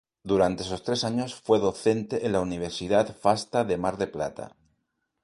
Durante esos tres años fue docente en la Universidad Fasta de Mar del Plata.